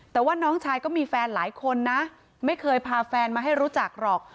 แต่ว่าน้องชายก็มีแฟนหลายคนนะไม่เคยพาแฟนมาให้รู้จักหรอก